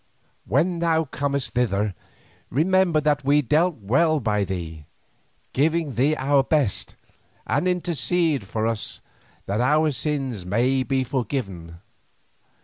When thou comest thither, remember that we dealt well by thee, giving thee of our best, and intercede for us that our sins may be forgiven.